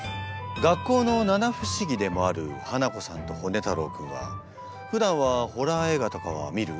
学校の七不思議でもあるハナコさんとホネ太郎君はふだんはホラー映画とかは見る？